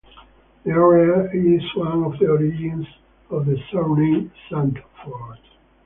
The area is one of the origins of the surname Sandford.